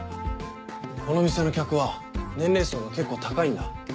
この店の客は年齢層が結構高いんだ。